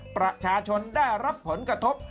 ประชาชนได้รับผลกระทบ